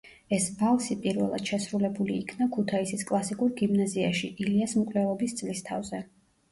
ეს ვალსი პირველად შესრულებული იქნა ქუთაისის კლასიკურ გიმნაზიაში ილიას მკვლელობის წლისთავზე.